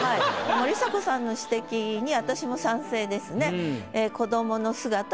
森迫さんの指摘に私も賛成ですね。